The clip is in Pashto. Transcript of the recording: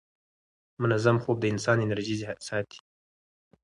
منظم خوب د انسان انرژي ساتي.